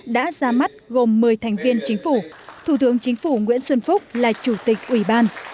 đã ra mắt gồm một mươi thành viên chính phủ thủ tướng chính phủ nguyễn xuân phúc là chủ tịch ủy ban